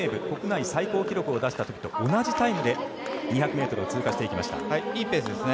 国内最高記録を出したときと同じタイムで２００ｍを通過していきました。